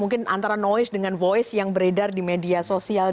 mungkin antara noise dengan voice yang beredar di media sosial